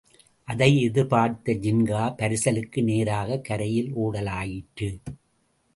அதை எதிர்பார்த்து ஜின்கா பரிசலுக்கு நேராகக் கரையில் ஓடலாயிற்று.